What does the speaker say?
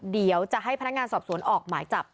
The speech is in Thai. เดี๋ยวจะให้พนักงานสอบสวนออกหมายจับ